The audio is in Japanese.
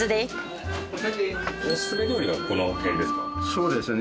そうですね。